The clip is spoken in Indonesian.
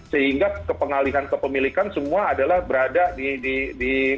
sehingga kepengalihan kepemilikan semua adalah berada di